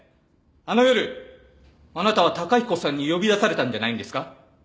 あの夜あなたは崇彦さんに呼び出されたんじゃないんですか？